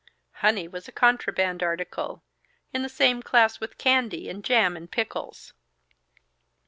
Honey was a contraband article, in the same class with candy and jam and pickles.